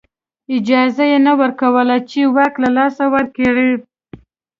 اجازه یې نه ورکوله چې واک له لاسه ورکړي.